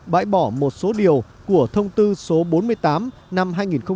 bãi bỏ một số điều của thông tư số bốn mươi tám năm hai nghìn một mươi